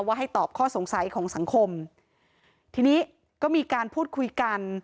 ให้ตอบข้อสงสัยของสังคมทีนี้ก็มีการพูดคุยกัน